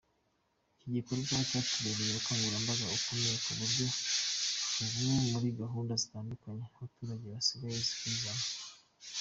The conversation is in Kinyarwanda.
Iki gikorwa cyatubereye umukangurambaga ukomeye ku buryo ubu muri gahunda zitandukanye abaturage basigaye bizana ».